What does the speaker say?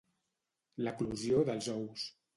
L'eclosió dels ous.